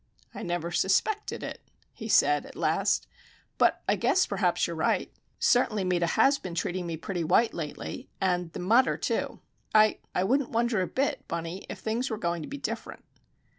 "I never suspected it," he said, at last; "but I guess perhaps you're right. Certainly Meta has been treating me pretty white, lately, and the mater, too. I,—I wouldn't wonder a bit, Bunnie, if things were going to be different."